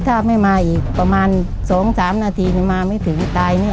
ถ้าไม่มาอีกประมาณ๒๓นาทีมาไม่ถึงตายเนี่ย